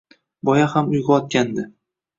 Boya ham uygʻotgandi.